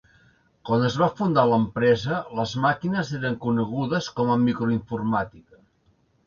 Quan es va fundar l’empresa, les màquines eren conegudes com a microinformàtica.